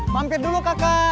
pampir dulu kakak